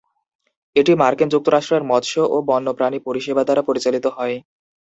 এটি মার্কিন যুক্তরাষ্ট্রের মৎস্য ও বন্যপ্রাণী পরিষেবা দ্বারা পরিচালিত হয়।